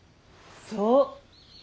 そう！